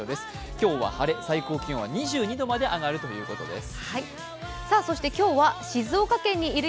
今日は晴れ、最高気温は２２度まで上がるということです。